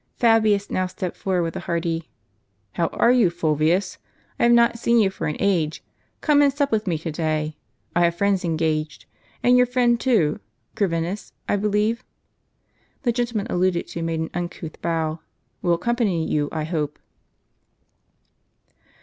Fabius now stepped forward, with a hearty " How are you, Fulvius? I have not seen you for an age; come and sup with me to day, I have friends engaged ; and your friend too, — Corvinus, I believe" (the gentleman alluded to made an uncouth bow), "will accompany you, I hope."